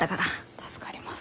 助かります。